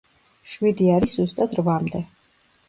შვიდი არის ზუსტად რვამდე.